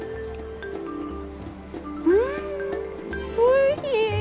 うんおいしい！